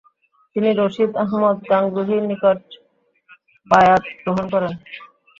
তিনি রশিদ আহমদ গাঙ্গুহির নিকট বায়আত গ্রহণ করেন।